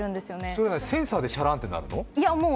それ、センサーでシャランって鳴るの？